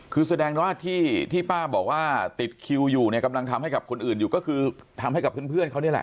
คือแสดงว่าที่ป้าบอกว่าติดคิวอยู่เนี่ยกำลังทำให้กับคนอื่นอยู่ก็คือทำให้กับเพื่อนเขานี่แหละ